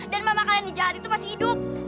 dan mama kalian nih jahat itu masih hidup